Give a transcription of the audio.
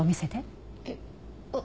えっ？